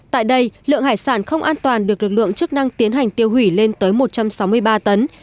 tại đây lượng hải sản không an toàn được lực lượng chức năng tiến hành tiêu hủy lên tới một trăm sáu mươi ba tấn